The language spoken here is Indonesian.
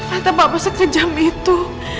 tante papa sekejam itu